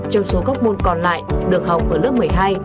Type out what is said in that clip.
trong số các môn còn lại được học ở lớp một mươi hai